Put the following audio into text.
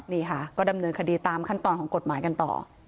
นี่ค่ะก็ดำเนินคดีตามขั้นตอนของกฎหมายกันต่อ